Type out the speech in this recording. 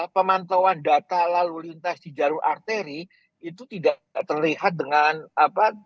pemantauan data lalu lintas di jalur arteri itu tidak terlihat dengan apa